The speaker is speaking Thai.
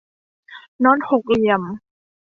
น็อตหกเหลี่ยม